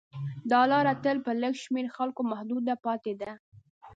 دا لاره تل په لږ شمېر خلکو محدوده پاتې ده.